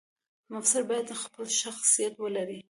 مفسر باید خپل شخصیت ولري.